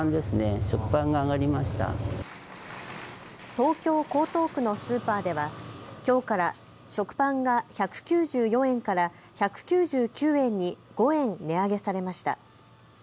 東京江東区のスーパーではきょうから食パンが１９４円から１９９円に５円値上げされました。